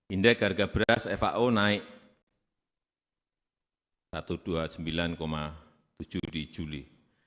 indeks harga beras fao naik satu ratus dua puluh sembilan tujuh di juli